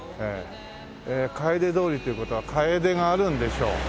かえで通りという事はかえでがあるんでしょう。